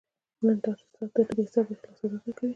نړۍ تاته ستا د بې حسابه اخلاص سزا درکوي.